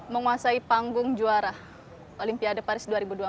menguasai panggung juara olympia de paris dua ribu dua puluh empat